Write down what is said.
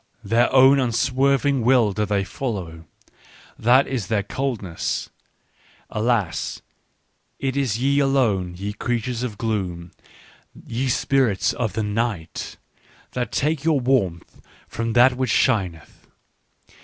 Their own unswerving will do they follow : that is their coldness. " Alas, it is ye alone, ye creatures of gloom, ye spirits of the night, that take your warmth from that which shineth.